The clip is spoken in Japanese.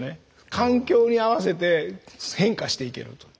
環境に合わせて変化していけると。